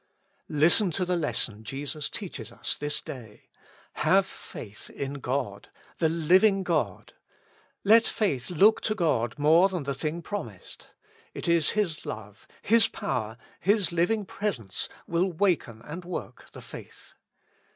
Listen to the lesson Jesus teaches us this day : Have faith in God, the Living God ; let faith look to God more than the thing promised ; it is His love. His power, His living presence will waken and work the faith.